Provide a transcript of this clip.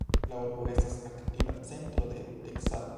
La urbo estas antikva centro de teksado.